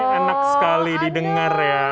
enak sekali didengar ya